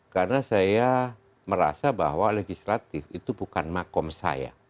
karena saya merasa bahwa legislatif itu bukan makom saya